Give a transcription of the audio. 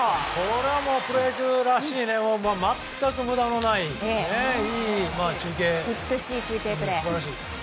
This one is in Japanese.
これはプロ野球らしい全く無駄のない、いい中継。